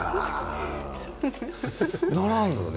ならんよね。